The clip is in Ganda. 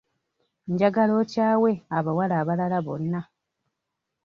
Njagala okyawe abawala abalala bonna.